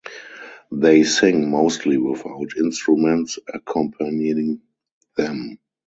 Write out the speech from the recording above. They sing mostly without instruments accompanying them.